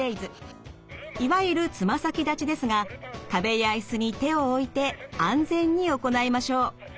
いわゆる爪先立ちですが壁や椅子に手を置いて安全に行いましょう。